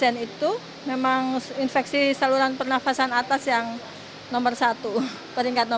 dengan kuswa seakan akan sangat keras itulah sih artinya klik untuk menurunkan